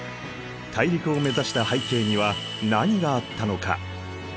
大陸を目指した背景には何があったのか？